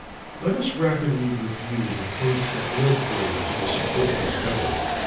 "Let us rapidly review the points that led Gray to this important discovery.